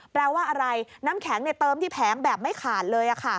แปลว่าอะไรน้ำแข็งเติมที่แผงแบบไม่ขาดเลย